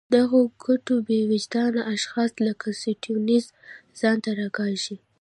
دغو ګټو بې وجدان اشخاص لکه سټیونز ځان ته راکاږل.